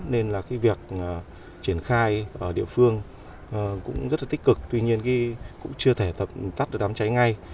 nên việc triển khai ở địa phương cũng rất tích cực tuy nhiên cũng chưa thể tắt đám cháy ngay